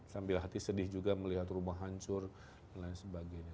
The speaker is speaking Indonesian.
sambil hati sedih juga melihat rumah hancur dan lain sebagainya